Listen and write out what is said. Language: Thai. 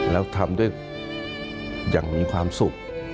แล้วทำด้วยอย่างมีความสุข